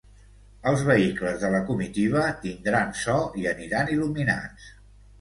Els vehicles de la comitiva tindran so i aniran il·luminats.